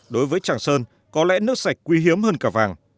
đối với tràng sơn có lẽ nước sạch quý hiếm hơn cả vàng